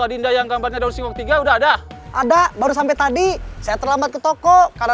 dinda yang gambarnya daun singok tiga udah ada ada baru sampai tadi saya terlambat ke toko karena